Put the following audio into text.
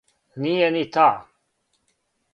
Није ни та.